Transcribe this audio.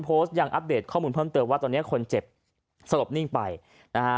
โพสต์ยังอัปเดตข้อมูลเพิ่มเติมว่าตอนนี้คนเจ็บสลบนิ่งไปนะฮะ